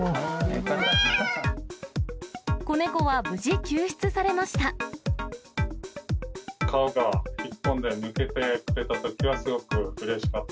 子猫は無事救出されました。